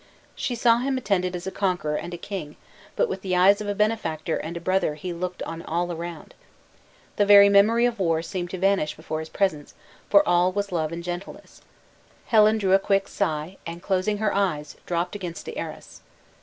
She saw him attended as a conqueror and a king; but with the eyes of a benefactor and a brother he looked on all around. The very memory of war seemed to vanish before his presence, for all there was love and gentleness. Helen drew a quick sigh, and closing her eyes, dropped against the arras.